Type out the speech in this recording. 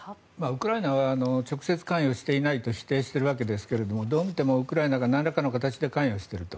ウクライナは直接関与していないと否定しているわけですがどう見てもウクライナがなんらかの形で関与していると。